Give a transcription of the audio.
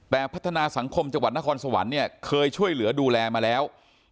แต่พัฒนาสังคมจังหวัดนครสวรรค์เนี่ยเคยช่วยเหลือดูแลมาแล้ว